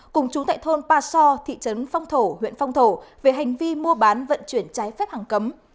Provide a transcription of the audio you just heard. cùng chú tại thôn pa so thị trấn phong thổ huyện phong thổ về hành vi mua bán vận chuyển trái phép hàng cấm